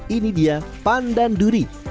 ini dia pandan duri